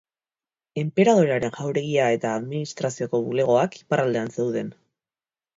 Enperadorearen jauregia eta administrazioko bulegoak iparraldean zeuden.